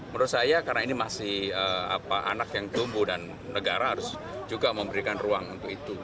menurut saya karena ini masih anak yang tumbuh dan negara harus juga memberikan ruang untuk itu